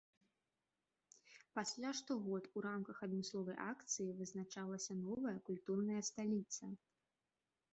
Пасля штогод у рамках адмысловай акцыі вызначалася новая культурная сталіца.